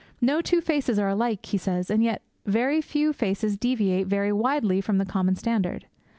'No two faces are alike,' he says, 'and yet very few faces deviate very widely from the common standard.